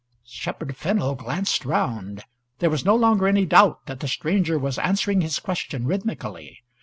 Shepherd Fennel glanced round. There was no longer any doubt that the stranger was answering his question rhythmically.